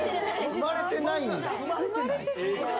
生まれてないんだ生まれてないの？